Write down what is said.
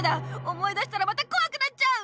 思い出したらまたこわくなっちゃう！